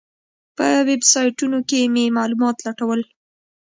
په ویبسایټونو کې مې معلومات لټول.